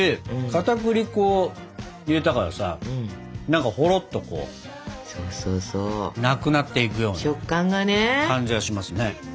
かたくり粉を入れたからさ何かほろっとなくなっていくような感じがしますね。